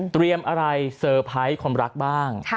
เตรียมอะไรเซอร์ไพรส์คนรักบ้าง